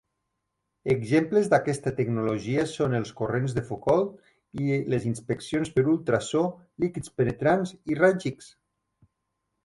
Exemples d'aquesta tecnologia són els corrents de Foucault, i les inspeccions per ultrasò, líquids penetrants i raigs X.